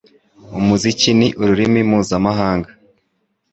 Umuziki ni ururimi mpuzamahanga.